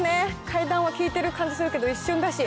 階段は効いてる感じするけど一瞬だし。